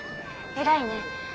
偉いね。